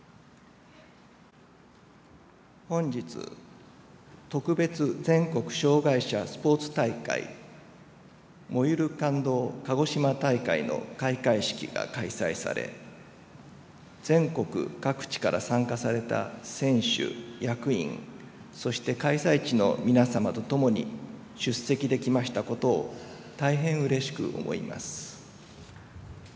本日特別全国障害者スポーツ大会「燃ゆる感動かごしま大会」の開会式が開催され全国各地から参加された選手、役員そして開催地の皆様と共に出席できましたことを大変うれしく思います。